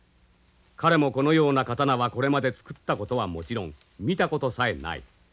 彼もこのような刀はこれまで作ったことはもちろん見たことさえない。